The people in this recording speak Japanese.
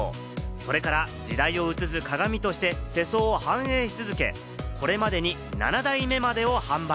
それから時代を写す鏡として世相を反映し続け、これまでに７代目までを販売。